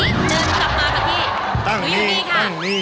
มาเยือนทินกระวีและสวัสดี